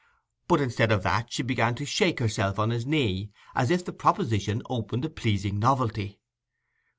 But instead of that, she began to shake herself on his knee, as if the proposition opened a pleasing novelty.